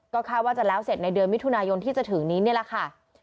ก็คาดว่าจะแล้วเสร็จในเดือนมิถุนายนที่จะถึงนี้นี่แหละค่ะ